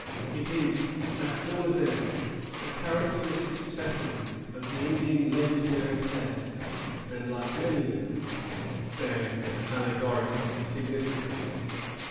It is, at all events, a characteristic specimen of the Indian legendary tales, and, like many of them, bears an allegoric significancy.